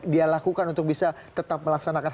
dia lakukan untuk bisa tetap melaksanakan